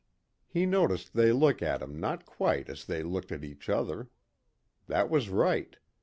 He noticed they looked at him not quite as they looked at each other. That was right.